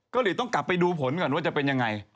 ก็เลยต้องกลับไปดูผลก่อนว่าจะเป็นยังไง